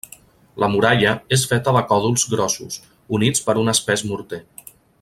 La muralla és feta de còdols grossos, units per un espès morter.